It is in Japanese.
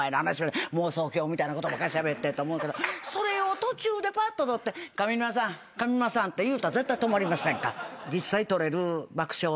妄想狂みたいなことばっかしゃべってと思うけどそれを途中でぱっと取って「上沼さん」って言うたら絶対止まりますやんか。